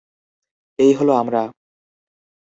এই হলো আমরা।